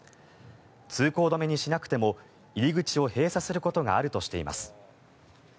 通行止めにしなくても入り口を閉鎖することがあるとしています。